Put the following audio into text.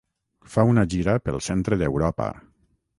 Fa una gira pel centre d'Europa.